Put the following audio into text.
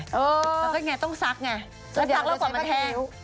แล้วก็ไงต้องซักไงแล้วซักแล้วกว่ามันแห้ง